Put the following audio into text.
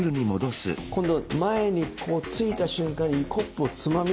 今度前にこうついた瞬間にコップをつまみ出すんです。